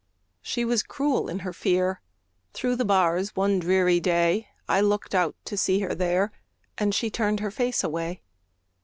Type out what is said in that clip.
She was cruel in her fear; Through the bars one dreary day, I looked out to see her there, And she turned her face away!